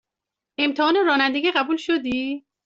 امتحان رانندگی قبول شدی؟